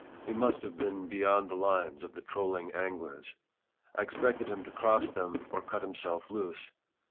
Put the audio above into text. He must have been beyond the lines of the trolling anglers. I expected him to cross them or cut himself loose.